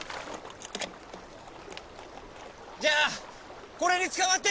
じゃあこれにつかまって！